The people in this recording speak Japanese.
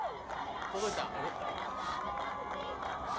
届いた？